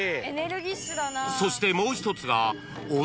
［そしてもう一つが］